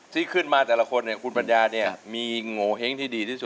ที่ขึ้นมาแต่ละคนคุณปัญญามีโงเฮ้งที่ดีที่สุด